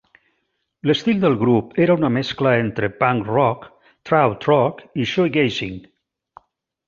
L'estil del grup era una mescla entre punk rock, krautrock i shoegazing.